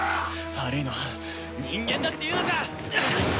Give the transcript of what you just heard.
悪いのは人間だっていうのか！